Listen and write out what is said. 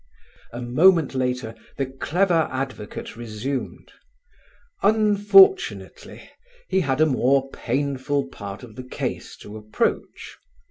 A moment later the clever advocate resumed: unfortunately he had a more painful part of the case to approach.